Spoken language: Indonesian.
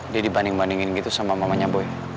dia dibanding bandingin gitu sama mamanya boy